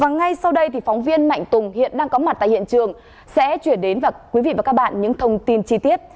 ngay sau đây phóng viên mạnh tùng hiện đang có mặt tại hiện trường sẽ chuyển đến quý vị và các bạn những thông tin chi tiết